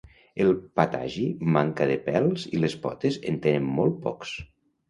El patagi manca de pèls i les potes en tenen molt pocs.